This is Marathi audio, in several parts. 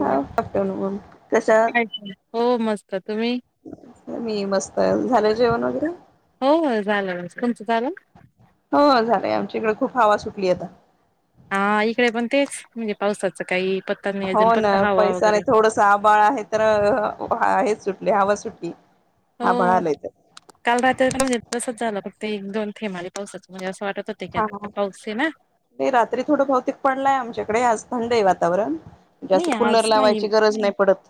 हा [unintelligible] कशा आहात काय काय? हो मस्त तुम्ही मी मस्त झालं जेवण वगैरे हो हो झालं तुमचं झालं. हो झालंय आमच्या इकडे खूप हवा सुटली आता. हा इकडे पण तेच म्हणजे पावसाच काही. पत्ता नाही हो अजून ना फक्त हवा पैसा वगैरे नाही थोडस आबाळ आहे तर आहे सुट लय हवा सुटली. आभाळ हो आलंय तर काल रात्रीच म्हणजे तसच झालं फक्त एक दोन थेंब पावसाचं म्हणजे असं वाटत. होते की हा आता पाऊस आहे ना रात्री थोडं बहुतेक पडलाय आमच्याकडे आज थंड आहे वातावरण. जे असं नाही कूलर आज नाही लावायची गरज नाही पडत.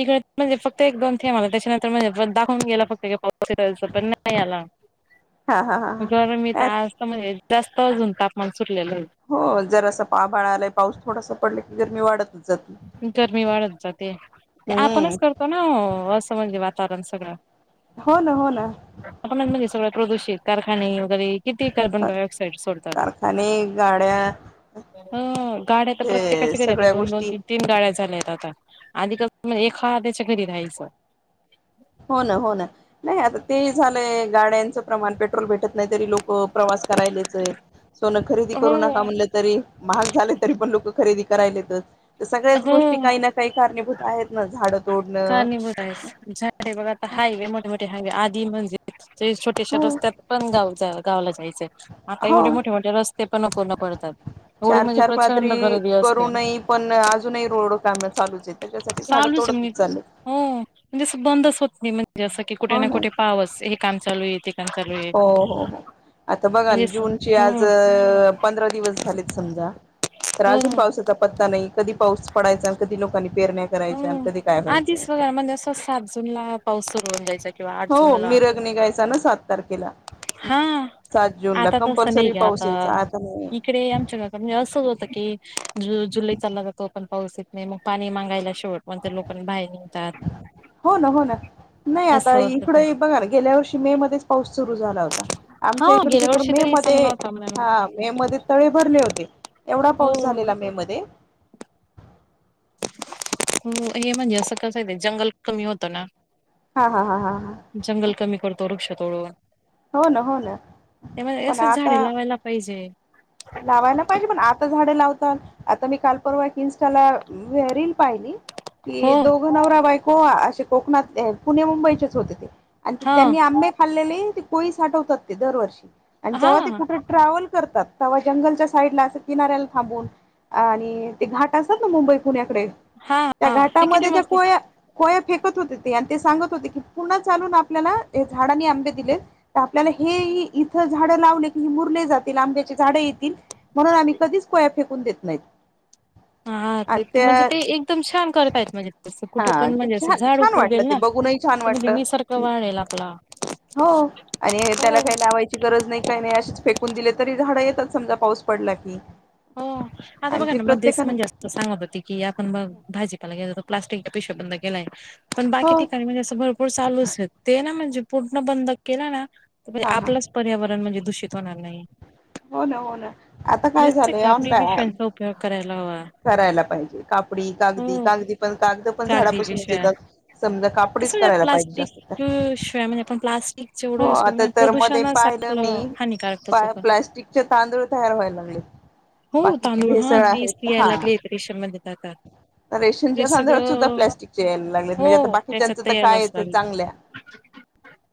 इकडे म्हणजे फक्त एक दोन थेंब आला त्याच्यानंतर म्हणजे दाखवून गेला फक्त. िरायचं पण नाही याला हा हा हा मी त हा असत म्हजे जास्त अजून तापमान सुटलेलं आहे. हो जर असं आभाळा आलाय पाऊस थोडासा पडला की गरमी वाढत नाही. गरमी वाढत जाते ते हम्म आपणच करतो ना असं म्हणजे. ण सगळं हो ना हो ना आपण म्हणजे सगळ प्रदूषित कारखाने री किती कार्बन डायक्साइड सोडतात कारखाने गाड्या ह गाड्या तर ते प्रत्येकाच्या घरी आ सगळ्या दोन -दोन गोष्टी तीन- तीन गाड्या झाल्यात आता आधी कस एखाद्याच्या घरी राहायचं. हो ना हो ना नाही आता ते झालंय गाड्यांचं प्रमाण पेट्रोल भेटत नाही. तरी लोक प्रवास करायलेच येत. सोन खरेदी हो करू नका म्हणलं तरी महाग झाले तरी पण लोक - खरेदी करायलेतच सगळ्याच हो गोष्टी काही ना काही कारणीभूत आहेत ना झाड कारणी बूत आहे झा बघा आता हायवे मोठे मोठे हायवे आधी म्हणज. छोटेश्या हो रस्त्यात पण गाव गावाला जायंय आता हो एवढे मोठे मोठे रस्ते. पण अपूर्ण पड तात. चार चार पादरी करूनही पण अजूनही रोड काम चालूच आहे त्याच्यासाठी झाडं चालूच आहे तोडत म्हणजे हो. हो म्हणजे बंदच होत नाही म्हणजे असं की कुठे ना कुठे पावस हे काम चालू य. हो हो हो! आता बघा म्हणजे असं जूनचे आज हो पंधरा दिवस झालेत समजा. तर हो अजून पावसाचा पत्ता नाही कधी पाऊस पडायचा कधी लोकांनी पेरण्या. करायच्या आणि हम कधी काय व्हायचं आधीस वगार म्हणजे असं सात जुून ला पाऊस. सुरू होऊन जायचा किंवा आठ जून हो ला मिरघ निघायचा ना सात तारखेला. हा. सात जून ला आता तसं नाही कंपल्सरी ग पाऊस आता यायचा नाही इकडे आमच्या घ म्हणजे असंच होतं की. ज जुलै चालला जातो पण पाऊस येत नाही मग पाणी मगायला शेवट. कोणत लोकांना बाहेर निघतात. हो ना हो ना नाही आता असं होतं इकड ते बघा ना गेल्या वर्षी मे मध्येच. पाऊस सुरू झाला होता हा आमच्या इकड गेल्या तर वर्षी मे तरी मध्ये. चांगला होता मॅम हा मे मध्ये तळे भरले होते एवढा हो पाऊस झालेला मे मध्ये. हो हे म्हणजे असं कसं आहे जंगल कमी होतं ना. हा हा हा हा हा जंगल कमी करतो वृक्ष तोडून. हो ना हो ना त्यामुळे पण अस आता झाडे लावायला पाहिजे. लावायला पाहिजे पण आता झाडें लावता. आता मी काल परवा इन्स्टाला वे रील. पाहिली हो की दोघ नवरा बायको असे कोकणात पुणे मुंबईचेच होते ते. आणि हा त्यांनी आंबे खाल्लेले ते कोळी साठवतात ते दरवर्षी आणि जेव्हा ते हा कुठे ट्रॅवल. करतात ते जंगलच्या साईडला अस किनाऱ्याला थांबून आणि ते घाट असत ना मुंबईत. पुण्याकडे हा त्या हा ते किती घाटामध्ये त्या मस्त कोय कोय फेकत होते ते आणि ते सांगत होते की पुनण चालून आपल्याला झाडांनी आंबे दिलेत. तर आपल्याला हे इथं झाडं लावले की मुरले जातील आंब्याचे झाडं येतील म्हणून आम्ही कधीच. कोया फेकून देत नाहीत. [unintelligible] हा ते आणि ते म्हणजे त्या ते एकदम छान करता ययेत म्हणजे तसं कुठे हा पण ते म्हणजे अस छान झाड छान वाटलं उपरगेल ते ना. बघूनही छान ते म्हणजे वाटलं निसर्ग वाढेल आपला. हो. आणि हो त्याला काही लावायची गरज नाही काही नाही अेच फेकून दिले तरी झाडं येतात समजा पाऊस पडला की. हो आता आणि बघा ते ना मध्येच म्हणजे प्रत्येकानच अस सांगत होते की आपण मग भाजीपाला गेलो. प्स्टिकच्या पिशे बंद केलाय पण बाकी हो ठिकाणी म्हणजे अस. चालूच ते ना म्हणजे पूर्ण बंद केला ना म्हणजे हा हा आपलंच पर्यावरण म्हणजे. दूषित होणार नाही. हो ना हो ना आ. नुते कापडी पिशव्यांचा उपोग करायला हवा. करायला पाहिजे कापडी कागदी हो कागदी पण कागद पण कागदी झाडापासूनच पिशव्या येतात समजा काप. कसं प्लास्टिक शिवाय म्हणजे आपण प्लास्टिक जेवढं हो युज आता करू तर प्रदूषणस आपलं. हानिकारक त सोपण. प्लॅस्टिकचे तांदूळ तयार व्हायला लागले. हो बाकीची तांदूळ हा भेसळ तेीच आहेत यायला हा लागले रिशनमध्येेत का. रेशनच्या सधर्भात सुद्धा प्लॅस्टिक च्या यायला लागलेत म्हणजे आता हो त्याच्यात बाकीच्याचं तर यायलाच कायच लागल चांगल्या.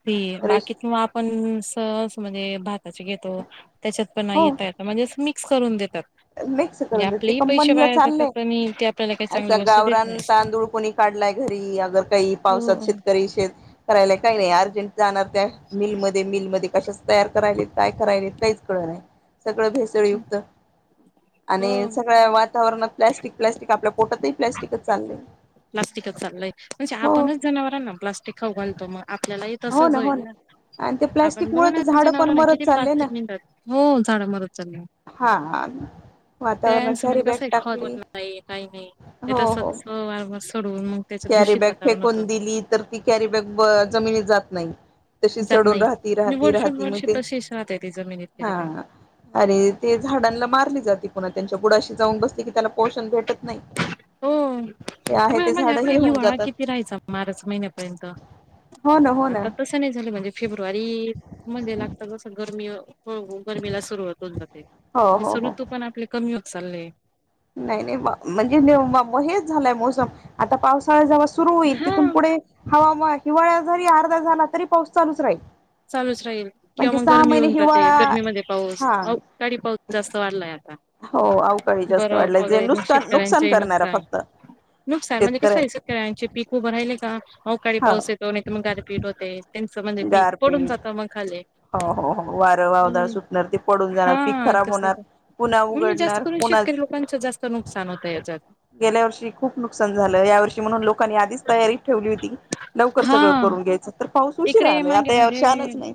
ते रेश बाकीत आपण सहस म्हणजे. भाता घेतो त्याच्यात पण हो य म्हणजे मिक्स करून देतात. मिक्स म्हणजे करून देतात ते आपलेही पैसे कंपनीला वाया चाललंय जातात आणि ते आपल्याला काही चांगली असा वस्तू देत नाही. गावरान तांदूळ कोणी काढलाय घरी अगर काही हो पावसात शेतकरी शेत. करायला काही नाही अर्जंट जाणार त्या मिल मध्ये, मिल मध्ये कशाचं तयार करायले, काय करायले काहीच कळं नाय. सगळं भेसळयुक्त हो आणि सगळ्या वातावरणात प्लास्टिक, प्लास्टिक आपल्या पोटातही प्लॅस्टिकच चाललय. प्लास्टिकच चाललंय म्हणजे आपणच जनावरांना [unintelligible] मग आपल्यालाही तसंच होईल ना. आणि ते आपण प्लॅस्टिक बघ मुळे तर झाडं पण जनावरांना किती मरत चालले ना प्लास्टिक [unintelligible] हो झाड मरत चालली. हा [unintelligible] वातावरणात त्यांचं कॅरी म्हणजे बॅग कसं आहे खत टाकली, होत नाही काही नाही. ते हो हो. तसंच वारंवार सोडवून मग त्याचं दूषित कॅरीबॅग वातावरण फेकून होतं दिली, तर ती कॅरी बॅग ब जमिनी जात नाही. तशीच जात सडुन नाही. राहती, म्हणजे राहती, वर्षोन राहती म वर्ष ते तशीच राहते ती जमिनीत कधी हा. पण. अरे, ते झाडांला मारली जाते पुन्हा त्यांच्या बुडाशी जाऊन बसले, की त्याला पोषण भेटत नाही. हो ते आहे तुमी हा ते म्हणे झाड आता हे होऊन हिवाळा जातात किती राहायचा मार्च महिन्यापर्यंत. हो ना हो ना आता तसं नाही झालं म्हणजे फेब्रुवारी म्हणजे लागत जसं गरमी अ हो हो गर्मी ला सुरुवात होऊन जाते हो हो म्हणजे, [unintelligible] हो ऋतू पण आपले कमी होत चाललेत. नाही नाही मा म्हणजे मा म हेच झालंय मोसम आता पावसाळा जरा सुरू होईल तिथून हा. पुढे हवामान हिवाळा जरी अर्धा झाला तरी पाऊस चालूच राहील. चालूच राहील किंवा म्हणजे मग सहा गरमी महिने होऊन जाते, हिवाळा गरमीमध्ये पाऊस, हा अवकाळी पाऊस जास्त वाढलाय आता. हो अवकाळी जास्त बरफ वाढलंय जे वगैरे मग नुकसान शेतकऱ्यांचेही करणारा नुकसान. फक्त नुकसाान म्हणजे शेतकऱ्या कसंय सगळ्यांचे पिक उभरायल नाही का अवकाळी हा पाऊस येतो नाही, तर मग गारपीठ होते त्यांचं म्हणजे पीक पडून गारपीट जातं मग खाली. हो हो हो वारं वावदाळ हम्म सुटणार ते पडून जाणार पीक हा खराब तस होणार. पुन्हा [unintelligible] जास्त उघडणार करून शेतकरी पुन्हाच लोकांचं जास्त नुकसान होतं याच्यात. गेल्या वर्षी खूप नुकसान झालं या वर्षी म्हणून, लोकांनी आधीच तयारी ठेवली होती की लवकर हा सगळं करून घ्यायचं तर.. पाऊस उशीर इकडे आलाय, आता या वर्षी आलाच नाही.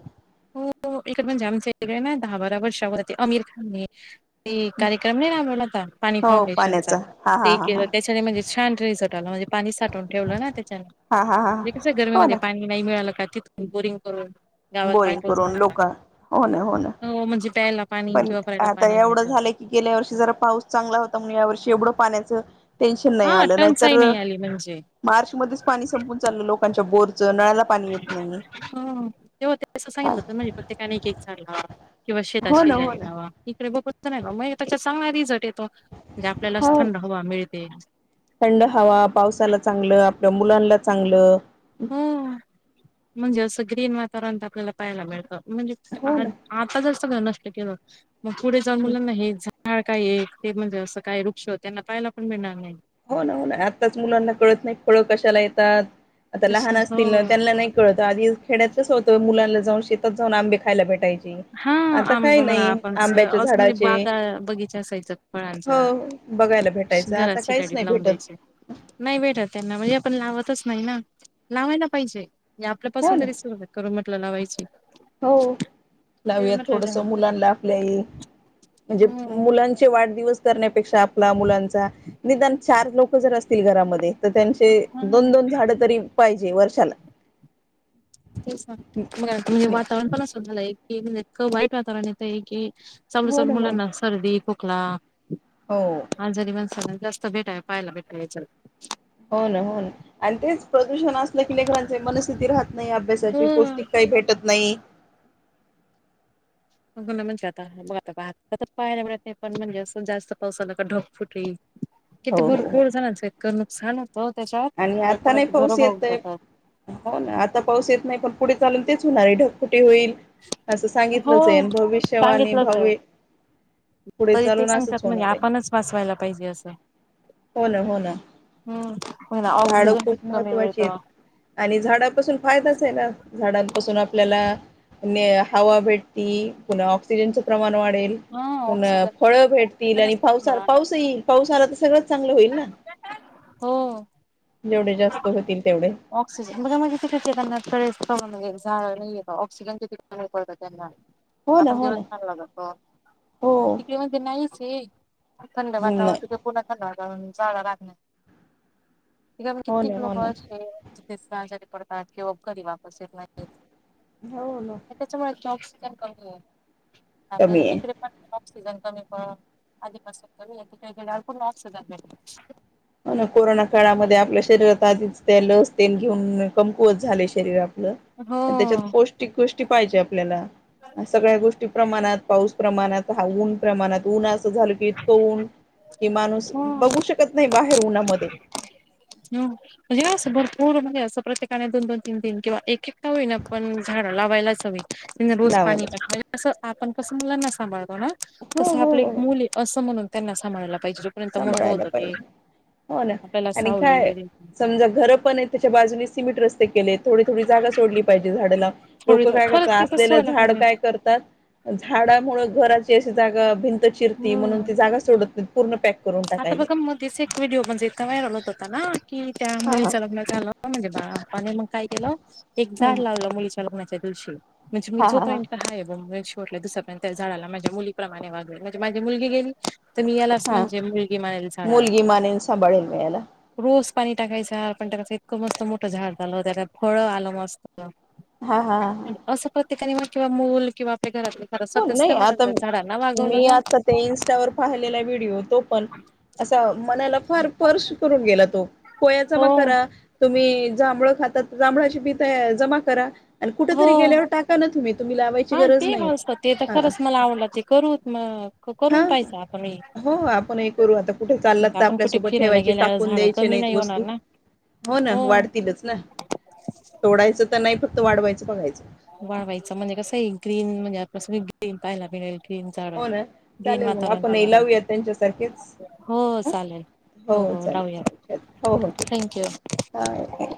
[unintelligible] इकडं आमच्या इकडं ना दहा-बारा वर्षावर ते आमिर खान नी ते कार्यक्रम नाही राबवला होता पाणी हो फाउंडेशनचा? पाण्याचा हा हा ते हा केलं, हा त्याच्याने म्हणजे छान रिझर्ट आला म्हणजे पाणी साठवून ठेवलं ना त्याच्याने. हा हा हा म्हणजे कसं गरमी हो मध्ये ना पाणी नाही मिळालं का तिथुन बोरिंग करून गावात पाणी बोरिंग करून पोहोचवता लोक हो ना हो ना. म्हणजे प्यायला पाणी पण किंवा भरायला आता पाणी एवढं मिळतं झालंय की, गेल्या वर्षी जरा पाऊस चांगला होता म्हणुन या वर्षी एवढं पाण्याचं टेन्शन नाही हा आलं टंचाई नाहीतर नाही आली म्हणजे मार्च मध्येच पाणी संपून चाललं लोकांच्या बोर हम्म तेव्हा ते तसं सांगितलं होत म्हणजे प्रत्येकाने एक एक झाड लावा. किंवा शेता हो ना हो शेजारी ना लावा इकडे [unintelligible] त्याच्या चांगला रिझल्ट येत हो थंड हवा पावसाला चांगलं आपलं मुलांला चांगलं हो, म्हणजे असं ग्रीन वातावरण तर आपल्याला पाहायला मिळतं. म्हणजे हो आ ना. आता जर सगळ नष्ट केलं मग पुढे जाऊन मुलांना हे झा झाड काय एक ते म्हणजे असं काय वृक्ष त्यांना पाहायला पण मिळणार नाही. हो ना, हो ना आत्ताच मुलांना कळत नाही फळं कशाला येतात आता लहान असतील ना हो त्यांनला नाही कळतं, आधी खेड्यात कसं होतं मुलांला जाऊन शेतात जाऊन आंबे क खायला भेटायची हा आता काही आंबा म्हणा नाही आपणच आंब्याच्या असं म्हणजे झाडाचे बागा बगीचा असायचा हो, फळांचा बघायला भेटायचं आता काय [unintelligible] लावून द्यायचे, नाही भेटत त्यांना म्हणजे आपण लावतच नाही ना, लावायला पाहिजे. ल हो आपल्यापासून ना. तरी सुरुवात करू म्हटलं लावायची. हो. ते लावूया म्हटलं थोडंसं मुलांला आपल्याही म्हणजे ह मुलांचे वाढदिवस करण्यापेक्षा आपला मुलांचा निदान चार लोक जर असतील घरामध्ये तर त्यांचे हा दोन-दोन झाडं तरी पाहिजे वर्षाला. तेच ना, [unintelligible] वातावरण पण असं झालंय की इतकं वाईट वातावरण येतंय की चालू हो चालू ना हो ना. मुलांना सर्दी, खोकला हो आजारी माणसाला जास्त भेटाय पहायला भेटाण्यची हो ना हो ना. आणि तेच प्रदूषण असलं की लेकरांचे मनस्थिती राहत नाही अभ्यासाची हम्म. पौष्टिक काही भेटत नाही बाघा ना म्हणजे आता बघ आता पाहायला मिळत नाही पण म्हणजे असं जास्त पावसा आला का ढगफुटी किती हो हो हो भरपूर जणांचं इतकं नुकसान होतं त्याच्यात आणि म्हणजे आता नाही कोणाची घरं पाऊस वाहून येतय जातात. हो ना आता पाऊस येत नाही पण पुढे चालून तेच होणार आहे ढगफुटी होईल असं सांगितलंच हो आहेन भविष्यवाणी सांगितलंच आहे भवे तरी ते सांगतात म्हणजे आपणच बसवायला पाहिजे असं हो ना हो ना हम्म मला झाडं ऑक्सिजन खूप किती कमी महत्वाची आहेत मिळतं. आणि झाडापासून फार [inaudible] ना झाडांपासून आपल्याला ने हवा भेटती पुन्हा ऑक्सिजनचं प्रमाण वाढत हा [inaudible] पुना ऑक्सिजन फळ भेटतील आणि ऑक्सिजनच खूप पावसा राहणार पाऊस आहे. येईल पावस आला तर सगळंच चांगलं होईल ना हो जेवढे जास्त होतील तेवढे ऑक्सिजन बघा म्हणजे किती सेकंदात [inaudible] [inaudible] नाहीय का ऑक्सिजन किती कमी पडलं त्यांना हो हा ना पण हो दिवस ना चांगला जातो हो तिकडे म्हणजे नाहीच थंड वातावरण नाही तिथे पुूर्ण थंड [inaudible] हो कित्येक ना हो लोक ना अशी आहेत ती आजारी पडतात किंवा कधी वापस येत नाही हो ना त्याच्यामुळे ऑक्सिजन कमी आहे आपल्या कमी आहे इकडे पण ऑक्सिजन कमी पण आधीपासून कमी तिथे गेल्यावर पुन्हा ऑक्सिजन भेट कोरोना काळामध्ये आपल्या शरीरात आधीच त्या लस ते घेऊन कमकुवत झाले शरीर आप ल त्याच्यात हो. पौष्टिक गोष्टी पाहिजे आपल्याला सगळ्या गोष्टी प्रमाणात पाऊस प्रमाणात हा ऊन प्रमाणात ऊन झाल की इतकं ऊन कि माणूस हम्म. बघू शकत नाही बाहेर उन्हामध्ये हो म्हणजे असं भरपूर म्हणजे असं प्रत्येकाने दोन दोन तीन तीन किंवा एकएक का होईना पण झाड लावायलाच हवी रोज पाणी लावायलाच टाकवं आपण कसं मुलाना सांभाळत हो ना हो तसं हो आपले एक हो मुल आहे असं म्हणून त्यांना सांभाळाय लागत [inaudible] मोठं सांभाळायला होतं ते पाहिजे हो ना आपल्याला असं आणि काय समजा घरं पण आहे त्याच्या बाजूने सिमेंट रस्ते केले थोडी थोडी जागा सोडली पाहिजे झाडाला. थोडी लोक थोडी काय खरंच करतात तिथं असलेलं सोडायला झाड पाहिजे काय करतात झाडामुळे घराची अशी जागा भिंत चिरती म्हणून हम्म ती जागा सोडत नाहीत. पूर्ण पॅक करून आता टाकायला बघा मध्येच एक व्हिडिओ म्हणजे व्हायरल होत होता ना कि त्या हा हा मुलीच्या लग्न झालं म्हणजे बापाने मग काय केलं एक झाड हा लावलं मुलीच्या लग्नाच्या म्हणजे मी जो हा हा पण का आहे ब [inaudible] [inaudible] माझ्या मुलीप्रमाणे वाघवेल म्हणजे माझी मुलगी गेली तर मी याला हा म्हणजे मुलगी म्हणाली झाडाला मुलगी मानेन सांभाळेल मी याला रोज पाणी टाकायच पण ते इतकं मस्त मोठं झाड झालं त्यात फळं आलं मस्त हा हा हा हा असं प्रत्येकाने मग किंवा मूल किंवा आपल्या घरातले खरं हो सदस्य नाही आता म्हणून झाडांना वागवलं मी ना आता ते इन्स्टावर पाहिलेला व्हिडिओ तो पण असा मनाला फार फार सुकरून गेला तो कोया जमा हो करा तुम्ही जांभळ खातात जांभळाची बी जमा करा आणि कुठ तरी हो गेल्यावर टाका ना तुम्ही तुम्ही लावायची हा ते गरज नाही मस्त ते तर हा खरंच मला आवडलं ते करू मग हा करून पाहायचं आता मी हो हो आपण हे करू आता कुठे चाललात तर कुठे आपल्यासोबत फिरायला ठेवायची गेल्यावर टाकून झाडं द्यायचे कमी नाहीत नाही होणार वस्तू ना हो ना वाढतीलच ना तोडायचं तर नाही फक्त वाढवायचं बघायचं वाढवायचा म्हणजे कसं ग्रीन म्हणजे [inaudible] ग्रीन पाहायला मिळेल [inaudible] हो ना ग्रीन चालेल मग वातावरण आपण हे तयार लावूया त्यांच्यासारखेच होईल हो ह चालेल हो हो चालेल जाऊया चालेल चल. हो हो ठीक आहे थँक ठीक यू आहे